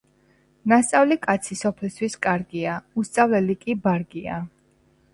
ნასწავლი კაცი სოფლისთვის კარგია უსწავლელი კი ბარგია